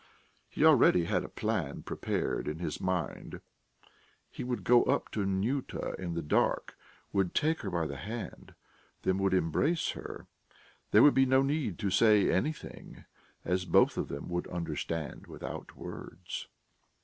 He already had a plan prepared in his mind: he would go up to Nyuta in the dark, would take her by the hand, then would embrace her; there would be no need to say anything, as both of them would understand without words.